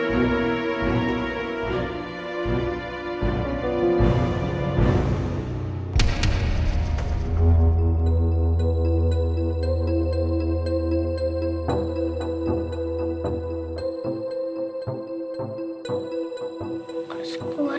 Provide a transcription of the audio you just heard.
sebenarnya siapa yang tadi ngejar milih